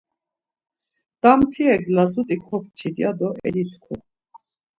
Damtirek lazut̆i kopçit ya do elitku.